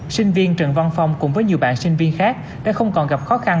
sinh viên trần văn phong cùng với nhiều bạn sinh viên khác đã không còn gặp khó khăn